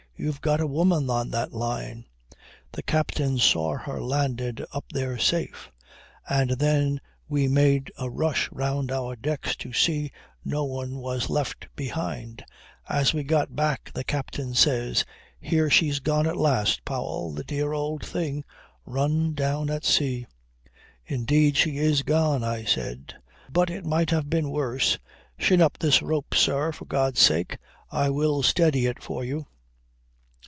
"You've got a woman on that line." The captain saw her landed up there safe. And then we made a rush round our decks to see no one was left behind. As we got back the captain says: "Here she's gone at last, Powell; the dear old thing! Run down at sea." "Indeed she is gone," I said. "But it might have been worse. Shin up this rope, sir, for God's sake. I will steady it for you."